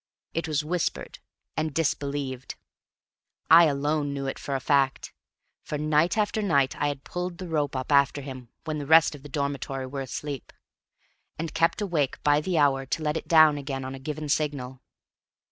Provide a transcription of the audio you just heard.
It was whispered, and disbelieved. I alone knew it for a fact; for night after night had I pulled the rope up after him when the rest of the dormitory were asleep, and kept awake by the hour to let it down again on a given signal.